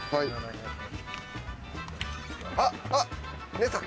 あっあっ姉さん。